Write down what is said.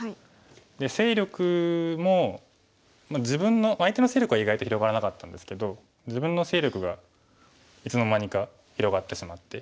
で勢力も相手の勢力は意外と広がらなかったんですけど自分の勢力がいつの間にか広がってしまって。